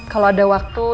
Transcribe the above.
kalau ada waktu